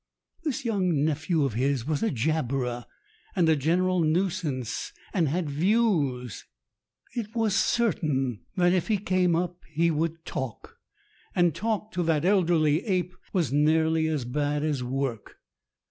This young nephew of his was a jabberer and a general nuisance, and had views. It was certain if he came up that he would talk. Talk to that elderly ape was nearly as bad as work.